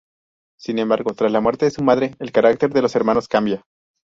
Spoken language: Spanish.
Sin embargo, tras la muerte de su madre, el carácter de los hermanos cambia.